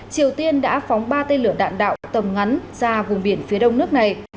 triều tiên đã phóng ba tên lửa đạn đạo tầm ngắn ra vùng biển phía đông nước này